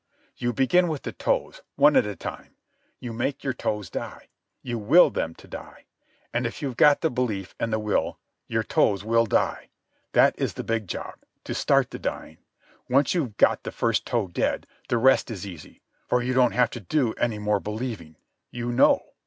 "You begin with the toes, one at a time. You make your toes die. You will them to die. And if you've got the belief and the will your toes will die. That is the big job—to start the dying. Once you've got the first toe dead, the rest is easy, for you don't have to do any more believing. You know.